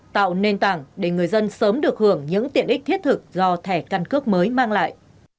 tạo nền tảng để người dân sớm được hưởng những tiện ích thiết thực do thẻ căn cước mới mang lại